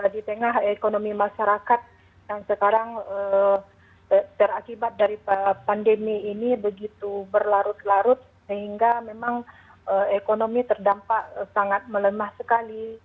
di tengah ekonomi masyarakat yang sekarang terakibat dari pandemi ini begitu berlarut larut sehingga memang ekonomi terdampak sangat melemah sekali